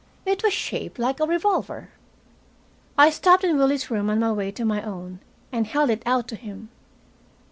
It was shaped like a revolver. I stopped in Willie's room on my way to my own, and held it out to him.